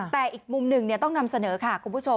แต่อีกมุมหนึ่งต้องนำเสนอค่ะคุณผู้ชม